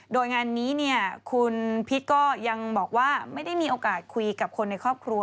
โดยงานนี้คุณพิษก็ยังบอกว่าไม่ได้มีโอกาสคุยกับคนในครอบครัว